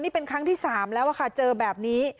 นี่เป็นครั้งที่๓แล้วค่ะเจอแบบนี้